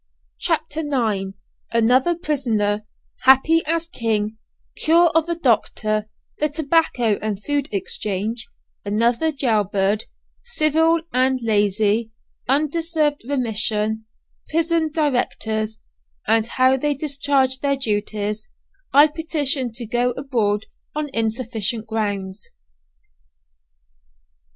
CHAPTER IX. ANOTHER PRISONER "HAPPY AS A KING" CURE OF A DOCTOR THE TOBACCO AND FOOD EXCHANGE ANOTHER JAIL BIRD CIVIL AND LAZY UNDESERVED REMISSION PRISON DIRECTORS, AND HOW THEY DISCHARGE THEIR DUTIES I PETITION TO GO ABROAD ON "INSUFFICIENT GROUNDS."